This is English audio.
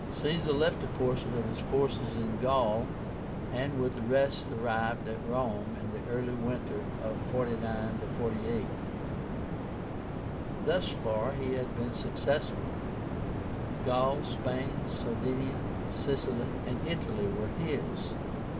Caesar left a portion of his forces in Gaul, and with the rest arrived at Rome in the early winter of 49 48. Thus far he had been successful. Gaul, Spain, Sardinia, Sicily, and Italy were his.